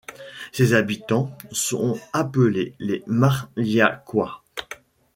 Ses habitants sont appelés les Marliacois.